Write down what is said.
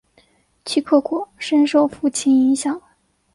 齐克果深受父亲影响。